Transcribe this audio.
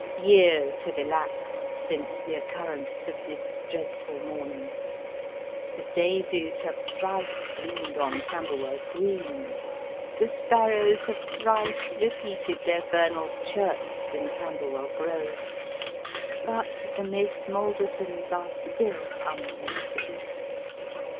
Years have elapsed since tho occurrence of this dreadful morning. The daises have thrice bloomed on Camberwell Green ; the sparrows have thrico repeated their vernal chirps in Camberwell Grove ; but the Miss Maldertons are still unmated.